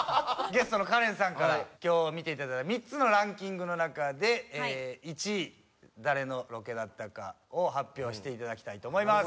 ゲストのカレンさんから今日見ていただいた３つのランキングの中で１位誰のロケだったかを発表していただきたいと思います。